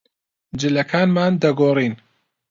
جلەکانمان دەگۆڕین.